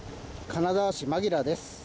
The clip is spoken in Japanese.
金沢市間明です。